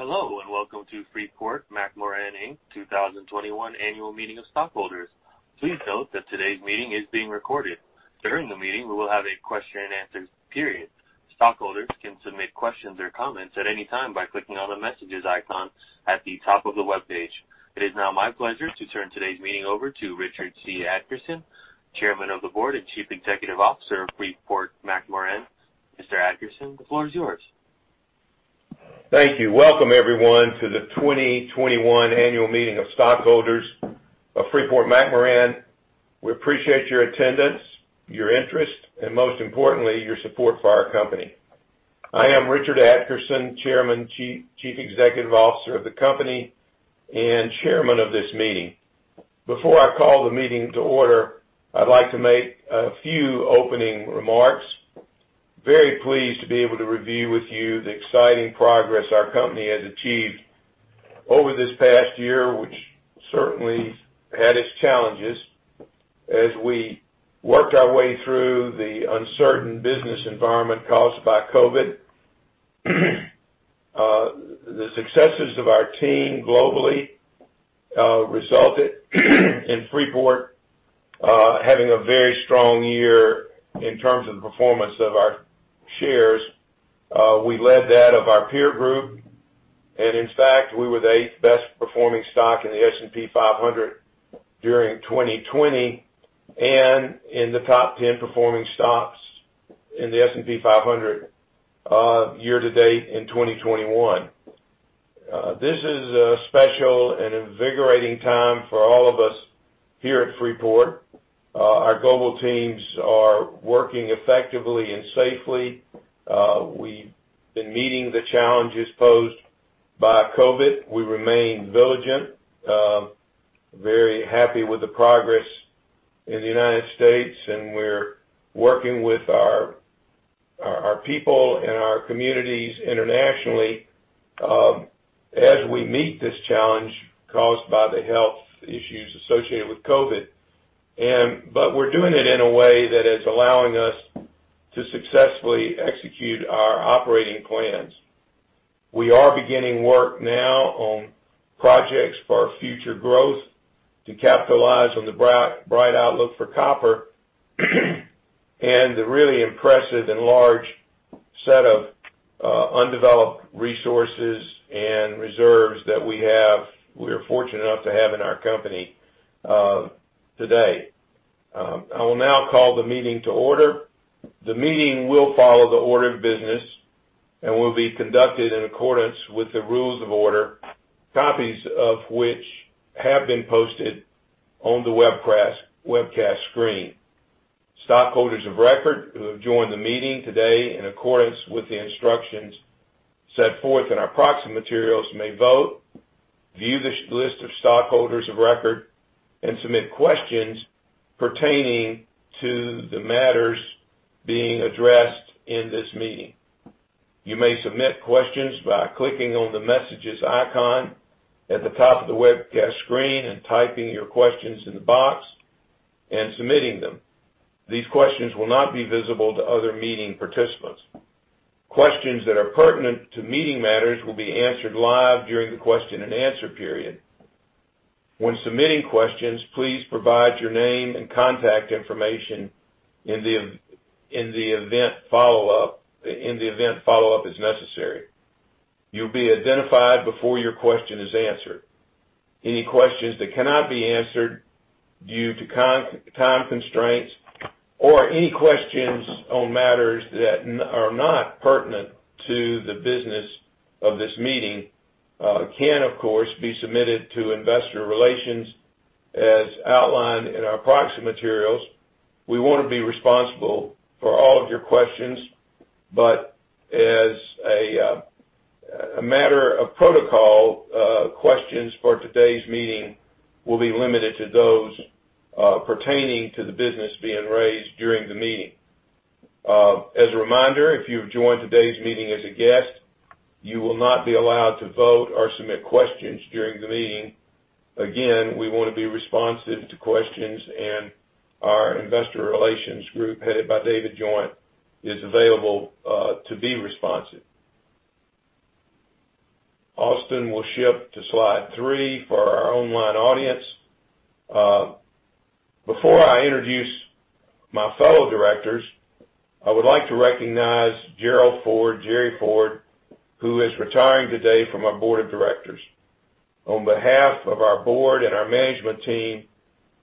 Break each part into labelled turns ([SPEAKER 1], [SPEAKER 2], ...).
[SPEAKER 1] Hello, and welcome to Freeport-McMoRan Inc. 2021 Annual Meeting of Stockholders. Please note that today's meeting is being recorded. During the meeting, we will have a question and answer period. Stockholders can submit questions or comments at any time by clicking on the messages icon at the top of the webpage. It is now my pleasure to turn today's meeting over to Richard C. Adkerson, Chairman of the Board and Chief Executive Officer of Freeport-McMoRan. Mr. Adkerson, the floor is yours.
[SPEAKER 2] Thank you. Welcome everyone to the 2021 Annual Meeting of Stockholders of Freeport-McMoRan. We appreciate your attendance, your interest, and most importantly, your support for our company. I am Richard Adkerson, Chairman, Chief Executive Officer of the company, and chairman of this meeting. Before I call the meeting to order, I'd like to make a few opening remarks. Very pleased to be able to review with you the exciting progress our company has achieved over this past year, which certainly had its challenges as we worked our way through the uncertain business environment caused by COVID. The successes of our team globally resulted in Freeport having a very strong year in terms of the performance of our shares. We led that of our peer group, and in fact, we were the 8th best performing stock in the S&P 500 during 2020, and in the top 10 performing stocks in the S&P 500 year to date in 2021. This is a special and invigorating time for all of us here at Freeport. Our global teams are working effectively and safely. We've been meeting the challenges posed by COVID. We remain vigilant. Very happy with the progress in the United States. We're working with our people and our communities internationally as we meet this challenge caused by the health issues associated with COVID. We're doing it in a way that is allowing us to successfully execute our operating plans. We are beginning work now on projects for our future growth to capitalize on the bright outlook for copper and the really impressive and large set of undeveloped resources and reserves that we're fortunate enough to have in our company today. I will now call the meeting to order. The meeting will follow the order of business and will be conducted in accordance with the rules of order, copies of which have been posted on the webcast screen. Stockholders of record who have joined the meeting today in accordance with the instructions set forth in our proxy materials may vote, view this list of stockholders of record, and submit questions pertaining to the matters being addressed in this meeting. You may submit questions by clicking on the messages icon at the top of the webcast screen and typing your questions in the box and submitting them. These questions will not be visible to other meeting participants. Questions that are pertinent to meeting matters will be answered live during the question and answer period. When submitting questions, please provide your name and contact information in the event follow-up is necessary. You'll be identified before your question is answered. Any questions that cannot be answered due to time constraints or any questions on matters that are not pertinent to the business of this meeting can, of course, be submitted to investor relations as outlined in our proxy materials. As a matter of protocol, questions for today's meeting will be limited to those pertaining to the business being raised during the meeting. As a reminder, if you have joined today's meeting as a guest, you will not be allowed to vote or submit questions during the meeting. We want to be responsive to questions, our investor relations group, headed by David Joint, is available to be responsive. Austin will shift to slide three for our online audience. Before I introduce my fellow Directors, I would like to recognize Gerald Ford, Jerry Ford, who is retiring today from our Board of Directors. On behalf of our Board and our management team,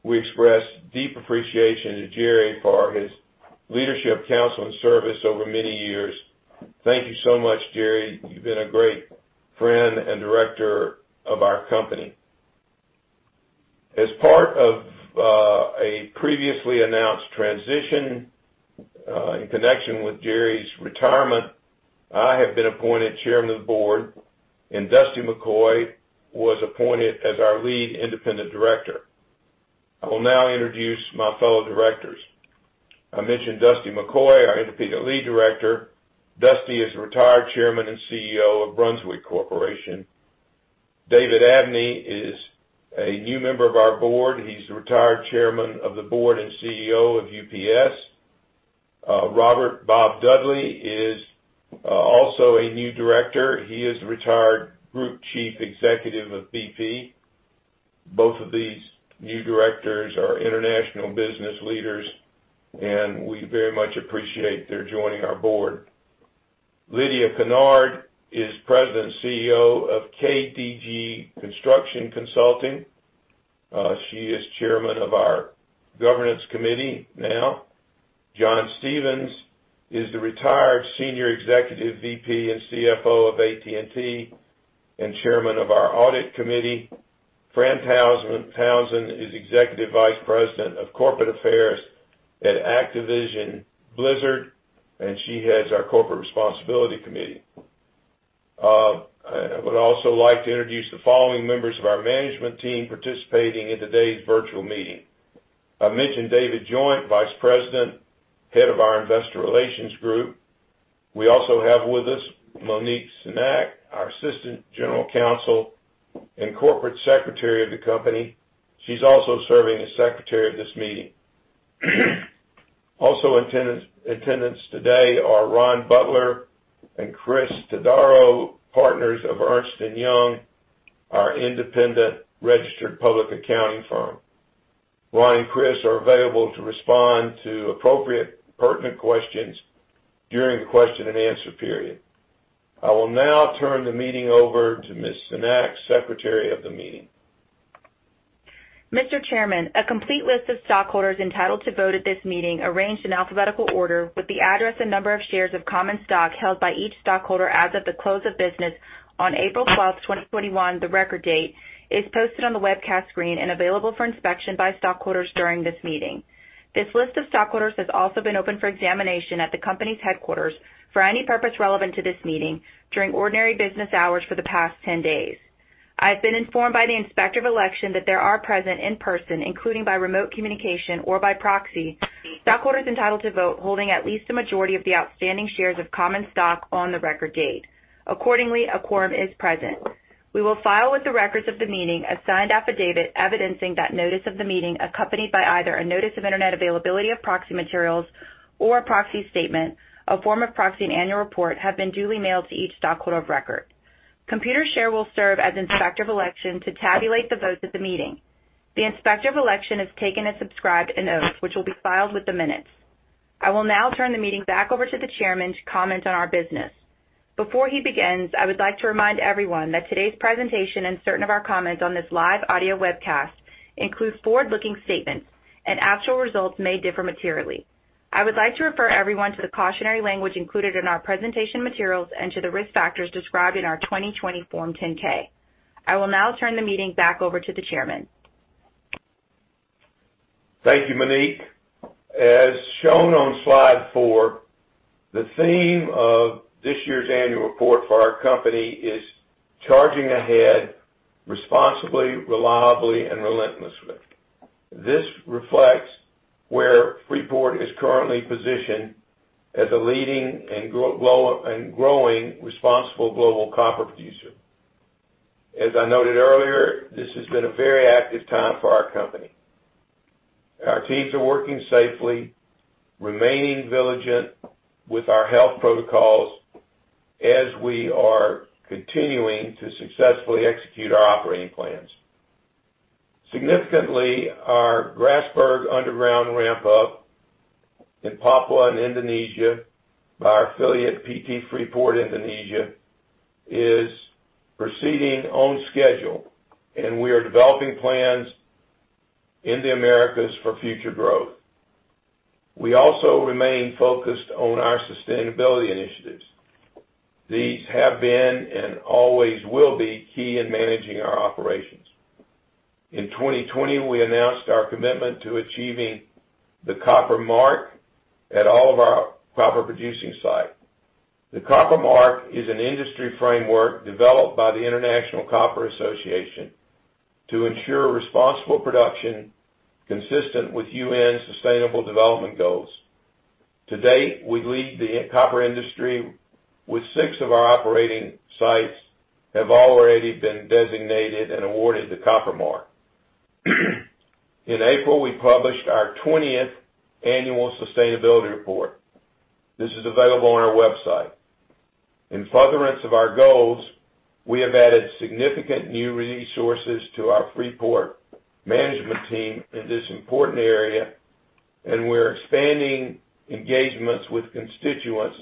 [SPEAKER 2] we express deep appreciation to Jerry for his leadership, counsel, and service over many years. Thank you so much, Jerry. You've been a great friend and director of our company. As part of a previously announced transition in connection with Jerry's retirement, I have been appointed Chairman of the Board, and Dusty McCoy was appointed as our Lead Independent Director. I will now introduce my fellow Directors. I mentioned Dusty McCoy, our Independent Lead Director. Dusty is retired Chairman and CEO of Brunswick Corporation. David P. Abney is a new member of our board. He's the retired Chairman of the Board and Chief Executive Officer of UPS. Robert W. Dudley is also a new director. He is retired Group Chief Executive of BP. Both of these new directors are international business leaders. We very much appreciate their joining our board. Lydia Kennard is President and Chief Executive Officer of KDG Construction Consulting. She is Chairman of our Governance Committee now. John J. Stephens is the retired Senior Executive Vice President and Chief Financial Officer of AT&T and Chairman of our Audit Committee. Fran F. Townsend is Executive Vice President of Corporate Affairs at Activision Blizzard, and she heads our Corporate Responsibility Committee. I would also like to introduce the following members of our management team participating in today's virtual meeting. I mentioned David Joint, Vice President, Head of our Investor Relations group. We also have with us Monique Cenac, our Assistant General Counsel and Corporate Secretary of the company. She's also serving as Secretary of this meeting. Also in attendance today are Ron Butler and Chris Todaro, partners of Ernst & Young, our independent registered public accounting firm. Ron and Chris are available to respond to appropriate pertinent questions during the question and answer period. I will now turn the meeting over to Ms. Cenac, Secretary of the meeting.
[SPEAKER 3] Mr. Chairman, a complete list of stockholders entitled to vote at this meeting, arranged in alphabetical order with the address and number of shares of common stock held by each stockholder as of the close of business on April 12, 2021, the record date, is posted on the webcast screen and available for inspection by stockholders during this meeting. This list of stockholders has also been open for examination at the company's headquarters for any purpose relevant to this meeting during ordinary business hours for the past 10 days. I've been informed by the Inspector of Election that there are present in person, including by remote communication or by proxy, stockholders entitled to vote holding at least the majority of the outstanding shares of common stock on the record date. Accordingly, a quorum is present. We will file with the records of the meeting a signed affidavit evidencing that notice of the meeting, accompanied by either a notice of internet availability of proxy materials or a proxy statement, a form of proxy and annual report, have been duly mailed to each stockholder of record. Computershare will serve as Inspector of Election to tabulate the vote at the meeting. The Inspector of Election has taken and subscribed an oath, which will be filed with the minutes. I will now turn the meeting back over to the Chairman to comment on our business. Before he begins, I would like to remind everyone that today's presentation and certain of our comments on this live audio webcast include forward-looking statements, actual results may differ materially. I would like to refer everyone to the cautionary language included in our presentation materials and to the risk factors described in our 2020 Form 10-K. I will now turn the meeting back over to the Chairman.
[SPEAKER 2] Thank you, Monique. As shown on slide four, the theme of this year's annual report for our company is charging ahead responsibly, reliably, and relentlessly. This reflects where Freeport is currently positioned as a leading and growing responsible global copper producer. As I noted earlier, this has been a very active time for our company. Our teams are working safely, remaining diligent with our health protocols as we are continuing to successfully execute our operating plans. Significantly, our Grasberg underground ramp-up in Papua and Indonesia by our affiliate, PT Freeport Indonesia, is proceeding on schedule, and we are developing plans in the Americas for future growth. We also remain focused on our sustainability initiatives. These have been and always will be key in managing our operations. In 2020, we announced our commitment to achieving the Copper Mark at all of our copper producing sites. The Copper Mark is an industry framework developed by the International Copper Association to ensure responsible production consistent with UN Sustainable Development Goals. To date, we lead the copper industry with six of our operating sites have already been designated and awarded the Copper Mark. In April, we published our 20th annual sustainability report. This is available on our website. In furtherance of our goals, we have added significant new resources to our Freeport management team in this important area. We're expanding engagements with constituents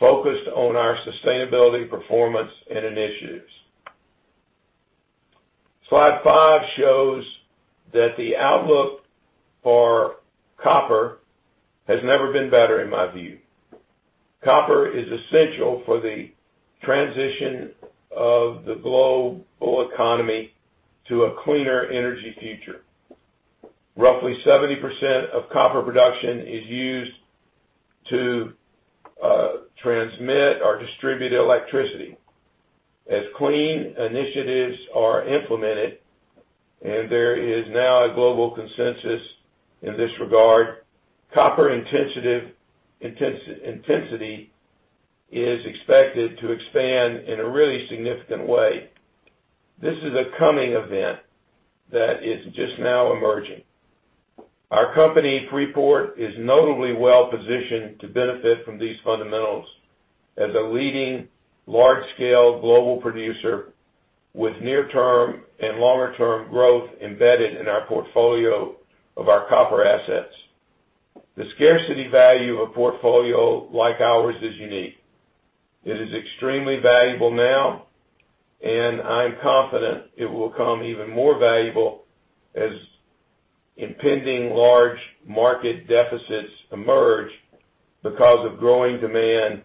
[SPEAKER 2] focused on our sustainability performance and initiatives. Slide five shows that the outlook for copper has never been better, in my view. Copper is essential for the transition of the global economy to a cleaner energy future. Roughly 70% of copper production is used to transmit or distribute electricity. As clean initiatives are implemented, there is now a global consensus in this regard, copper intensity is expected to expand in a really significant way. This is a coming event that is just now emerging. Our company, Freeport, is notably well-positioned to benefit from these fundamentals as a leading large-scale global producer with near-term and longer-term growth embedded in our portfolio of our copper assets. The scarcity value of a portfolio like ours is unique. It is extremely valuable now. I am confident it will become even more valuable as impending large market deficits emerge because of growing demand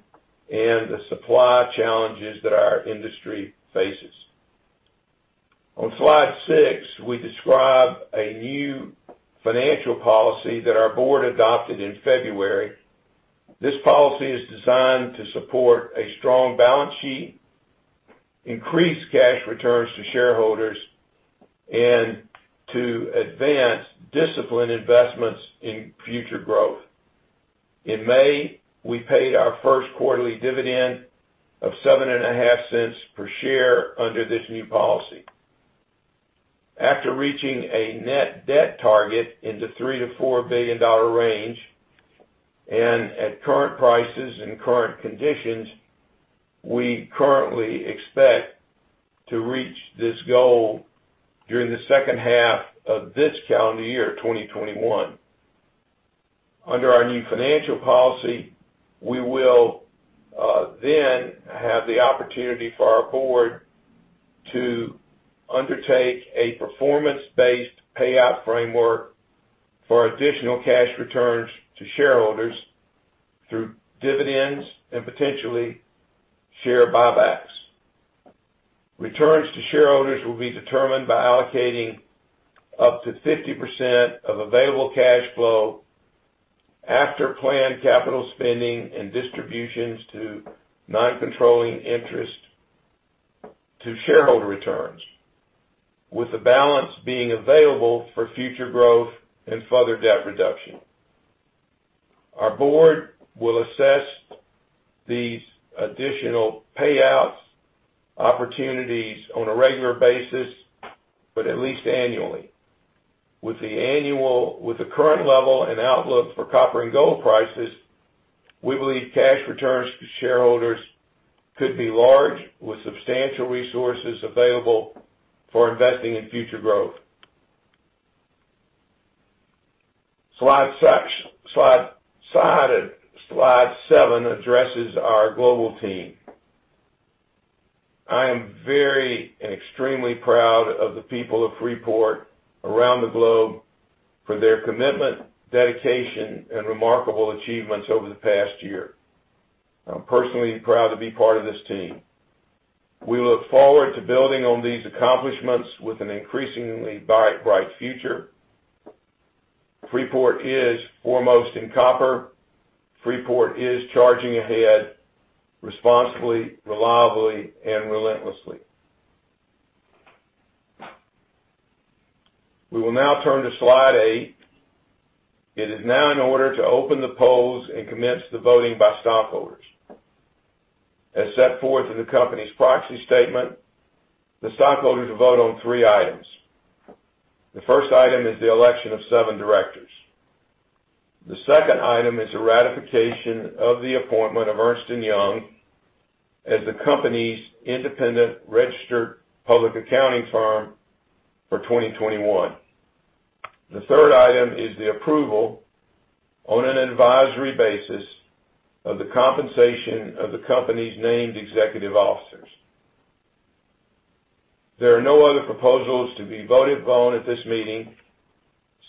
[SPEAKER 2] and the supply challenges that our industry faces. On slide six, we describe a new financial policy that our board adopted in February. This policy is designed to support a strong balance sheet, increase cash returns to shareholders, and to advance disciplined investments in future growth. In May, we paid our first quarterly dividend of seven and a half cents per share under this new policy. After reaching a net debt target in the $3 billion-$4 billion range, and at current prices and current conditions, we currently expect to reach this goal during the second half of this calendar year, 2021. Under our new financial policy, we will have the opportunity for our board to undertake a performance-based payout framework for additional cash returns to shareholders through dividends and potentially share buybacks. Returns to shareholders will be determined by allocating up to 50% of available cash flow after planned capital spending and distributions to non-controlling interest to shareholder returns, with the balance being available for future growth and further debt reduction. Our board will assess these additional payouts opportunities on a regular basis, but at least annually. With the current level and outlook for copper and gold prices, we believe cash returns to shareholders could be large, with substantial resources available for investing in future growth. Slide seven addresses our global team. I am very extremely proud of the people of Freeport around the globe for their commitment, dedication, and remarkable achievements over the past year. I'm personally proud to be part of this team. We look forward to building on these accomplishments with an increasingly bright future. Freeport is foremost in copper. Freeport is charging ahead responsibly, reliably, and relentlessly. We will now turn to Slide eight. It is now in order to open the polls and commence the voting by stockholders. As set forth in the company's proxy statement, the stockholders will vote on three items. The first item is the election of seven directors. The second item is the ratification of the appointment of Ernst & Young as the company's independent registered public accounting firm for 2021. The third item is the approval, on an advisory basis, of the compensation of the company's named executive officers. There are no other proposals to be voted upon at this meeting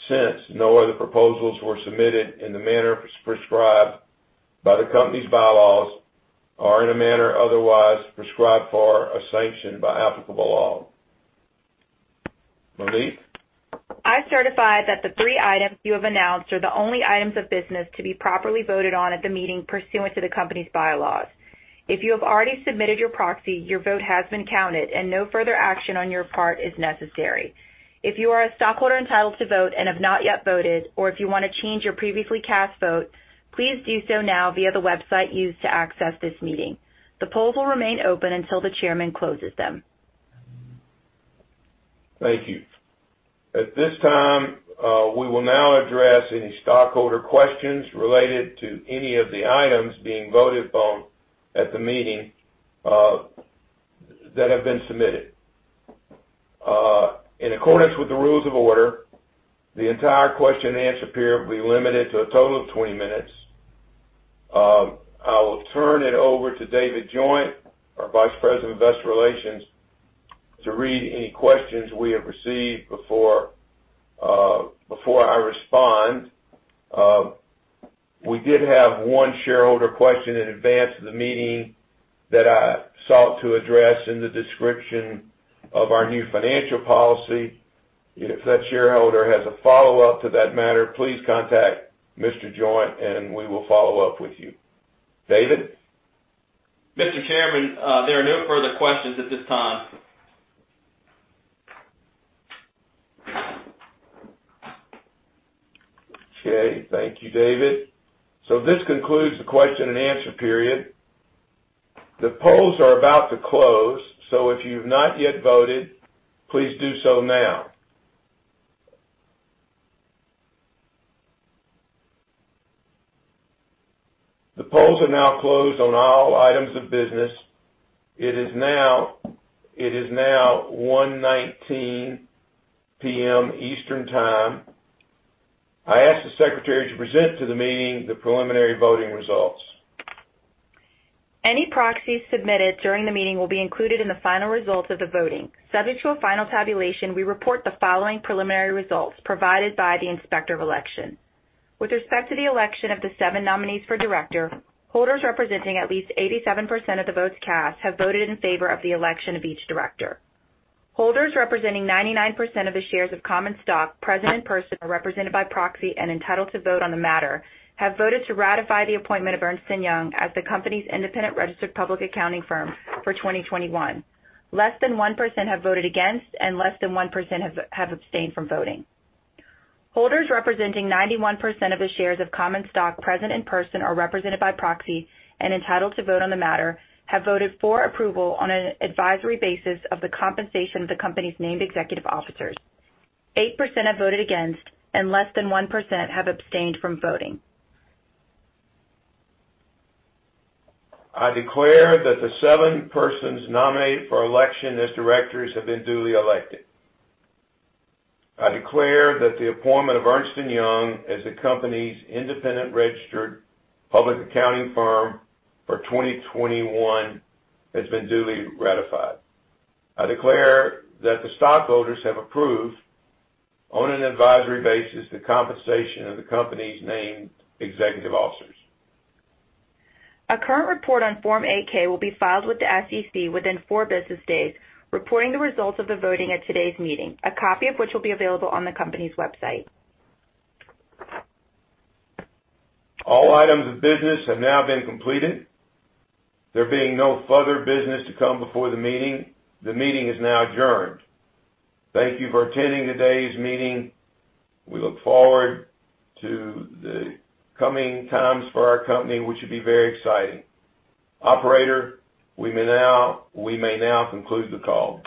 [SPEAKER 2] since no other proposals were submitted in the manner prescribed by the company's bylaws or in a manner otherwise prescribed for or sanctioned by applicable law. Monique?
[SPEAKER 3] I certify that the three items you have announced are the only items of business to be properly voted on at the meeting pursuant to the company's bylaws. If you have already submitted your proxy, your vote has been counted, and no further action on your part is necessary. If you are a stockholder entitled to vote and have not yet voted, or if you want to change your previously cast vote, please do so now via the website used to access this meeting. The polls will remain open until the chairman closes them.
[SPEAKER 2] Thank you. At this time, we will now address any stockholder questions related to any of the items being voted on at the meeting that have been submitted. In accordance with the rules of order, the entire question and answer period will be limited to a total of 20 minutes. I will turn it over to David Joint, our Vice President of Investor Relations, to read any questions we have received before I respond. We did have one shareholder question in advance of the meeting that I sought to address in the description of our new financial policy. If that shareholder has a follow-up to that matter, please contact Mr. Joint, and we will follow up with you. David?
[SPEAKER 4] Mr. Chairman, there are no further questions at this time.
[SPEAKER 2] Okay. Thank you, David. This concludes the question and answer period. The polls are about to close, so if you've not yet voted, please do so now. The polls are now closed on all items of business. It is now 1:19 P.M. Eastern Time. I ask the secretary to present to the meeting the preliminary voting results.
[SPEAKER 3] Any proxies submitted during the meeting will be included in the final results of the voting. Subject to a final tabulation, we report the following preliminary results provided by the Inspector of Election. With respect to the election of the seven nominees for director, holders representing at least 87% of the votes cast have voted in favor of the election of each director. Holders representing 99% of the shares of common stock present in person or represented by proxy and entitled to vote on the matter, have voted to ratify the appointment of Ernst & Young as the company's independent registered public accounting firm for 2021. Less than 1% have voted against and less than 1% have abstained from voting. Holders representing 91% of the shares of common stock present in person or represented by proxy and entitled to vote on the matter, have voted for approval on an advisory basis of the compensation of the company's named executive officers. 8% have voted against and less than 1% have abstained from voting.
[SPEAKER 2] I declare that the seven persons nominated for election as directors have been duly elected. I declare that the appointment of Ernst & Young as the company's independent registered public accounting firm for 2021 has been duly ratified. I declare that the stockholders have approved, on an advisory basis, the compensation of the company's named executive officers.
[SPEAKER 3] A current report on Form 8-K will be filed with the SEC within four business days reporting the results of the voting at today's meeting, a copy of which will be available on the company's website.
[SPEAKER 2] All items of business have now been completed. There being no further business to come before the meeting, the meeting is now adjourned. Thank you for attending today's meeting. We look forward to the coming times for our company, which should be very exciting. Operator, we may now conclude the call.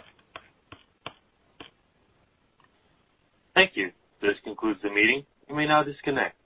[SPEAKER 1] Thank you. This concludes the meeting. You may now disconnect.